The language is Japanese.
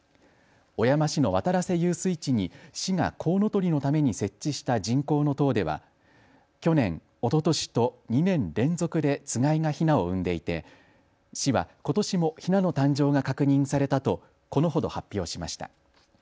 小山市の渡良瀬遊水地に市がコウノトリのために設置した人工の塔では去年、おととしと２年連続でつがいがヒナを産んでいて市はことしもヒナの誕生が確認されたとこのほど発表しました。